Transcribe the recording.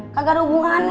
kagak ada hubungannya